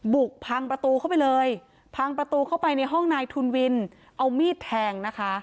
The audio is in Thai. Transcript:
บุกพังประตูเข้าไปเลยพังประตูเข้าไปในห้องนายทุนวินเอามีดแทงนะคะ